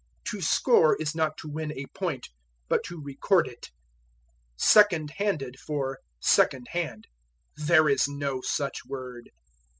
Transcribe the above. To score is not to win a point, but to record it. Second handed for Second hand. There is no such word.